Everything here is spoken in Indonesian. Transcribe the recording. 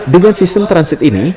dengan sistem transit ini